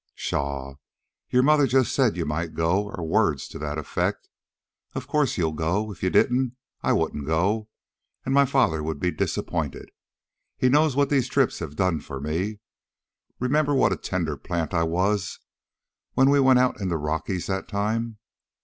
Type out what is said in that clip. "Pshaw! Your mother just said you might go, or words to that effect. Of course you'll go. If you didn't, I wouldn't go, and my father would be disappointed. He knows what these trips have done for me. Remember what a tender plant I was when we went out in the Rockies that time?"